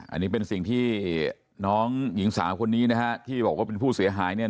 อันนี้เป็นสิ่งที่น้องหญิงสาวคนนี้นะฮะที่บอกว่าเป็นผู้เสียหายเนี่ย